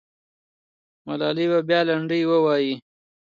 ملالۍ به بیا لنډۍ ووایي.